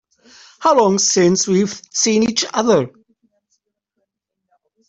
How long since we've seen each other?